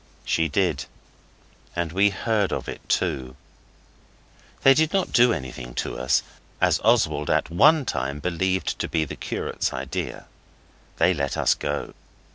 (She did, and we heard of it too.) They did not do anything to us, as Oswald at one time believed to be the curate's idea. They let us go.